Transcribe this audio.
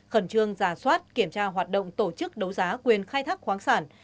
khẩn trương giả soát kiểm tra hoạt động tổ chức đấu giá quyền khai thác khoáng sản